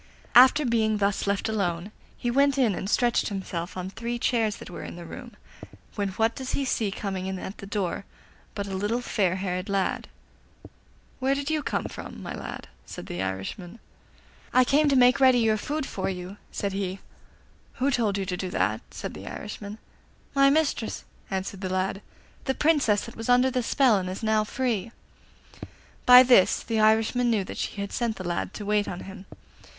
After being thus left alone, he went in and stretched himself on three chairs that were in the room, when what does he see coming in at the door but a little fair haired lad. 'Where did you come from, my lad?' said the Irishman. 'I came to make ready your food for you,' said he. 'Who told you to do that?' said the Irishman. 'My mistress,' answered the lad 'the Princess that was under the spell and is now free.' By this the Irishman knew that she had sent the lad to wait on him.